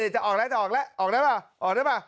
จะออกแล้วจะออกแล้วออกได้ป่ะ